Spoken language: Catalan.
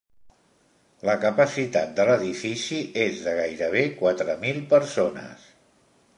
La capacitat de l'edifici és de gairebé quatre mil persones.